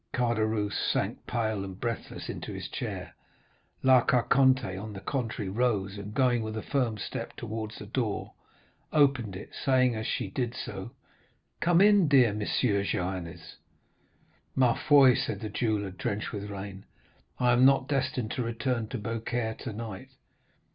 Caderousse sank pale and breathless into his chair. "La Carconte, on the contrary, rose, and going with a firm step towards the door, opened it, saying, as she did so: "'Come in, dear M. Joannes.' "'Ma foi,' said the jeweller, drenched with rain, 'I am not destined to return to Beaucaire tonight.